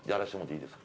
いいですか？